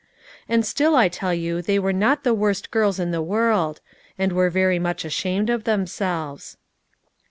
And still I tell you they were not the worst girls in the world ; and were very much ashamed of themselves.